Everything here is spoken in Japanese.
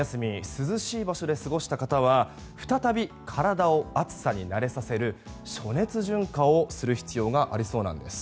涼しい場所で過ごした方は再び体を暑さに慣れさせる暑熱順化をする必要がありそうなんです。